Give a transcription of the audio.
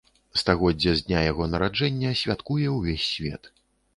Стагоддзе з дня яго нараджэння святкуе ўвесь свет.